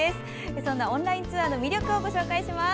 そんなオンラインツアーの魅力をご紹介します。